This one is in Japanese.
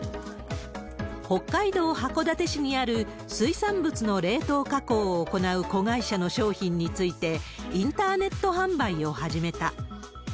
北海道函館市にある水産物の冷凍加工を行う子会社の商品について、インターネット販売を始めた。